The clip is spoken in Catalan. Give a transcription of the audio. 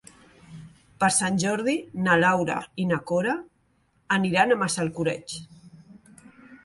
Per Sant Jordi na Laura i na Cora aniran a Massalcoreig.